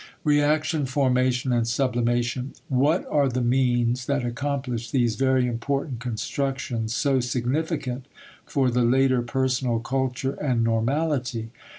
*Reaction Formation and Sublimation.* What are the means that accomplish these very important constructions so significant for the later personal culture and normality?